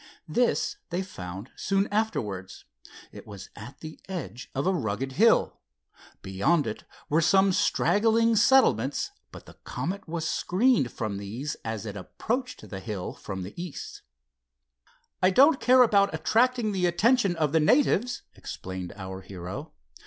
This they found soon afterwards. It was at the edge of a rugged hill. Beyond it were some straggling settlements, but the Comet was screened from these as it approached the hill from the east. "I don't care about attracting the attention of the natives," explained our hero.